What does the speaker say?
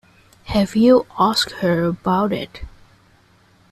Have you asked her about it?